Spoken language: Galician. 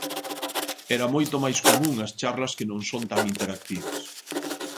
Era moito máis común as charlas que non son tan interactivas.